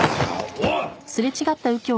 おい！